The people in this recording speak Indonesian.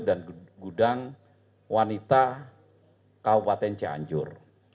dan gudang wanita kabupaten cianjur